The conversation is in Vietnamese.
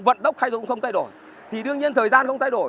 vận tốc hay không không thay đổi thì đương nhiên thời gian không thay đổi